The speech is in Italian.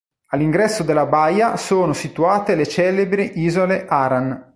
All'ingresso della baia sono situate le celebri isole Aran.